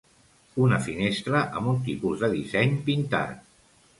Una finestra amb un tipus de disseny pintat